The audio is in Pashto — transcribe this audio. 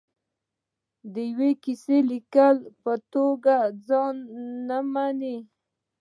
د یوه کیسه لیکوال په توګه ځان منلی و.